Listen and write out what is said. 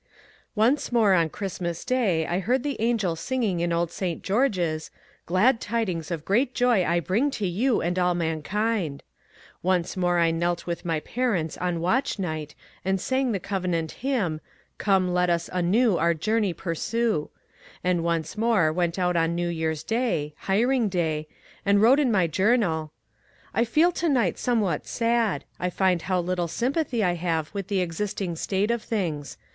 Once more on Christmas Day I heard the angel singing in old St. George's, *^ Glad tidings of great joy I bring to you and all mankind ;" once more I knelt with my parents on Watch Night and sang the covenant hymn, ^* Come let us anew our journey pursue ;" and once more went out on New Year's Day — hiring day — and wrote in my journal :— I feel to night somewhat sad. I find how little sympathy I have with the existing state of things.